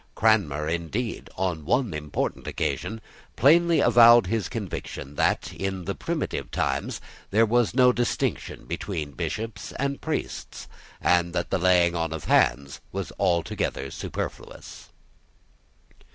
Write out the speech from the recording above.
Cranmer, indeed, on one important occasion, plainly avowed his conviction that, in the primitive times, there was no distinction between bishops and priests, and that the laying on of hands was altogether superfluous.